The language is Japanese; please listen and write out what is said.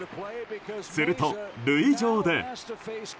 すると、塁上で。